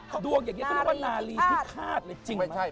ดวงอย่างนี้เขาเรียกว่านาลีพิฆาตเลยจริง